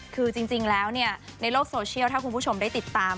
คือจริงแล้วในโลกโซเชียลถ้าคุณผู้ชมได้ติดตาม